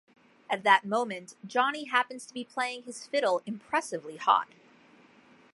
At that moment, Johnny happens to be playing his fiddle impressively hot.